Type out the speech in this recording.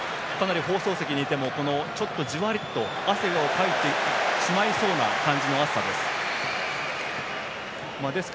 放送席にいてもじわりと汗をかいてしまいそうな感じの暑さです。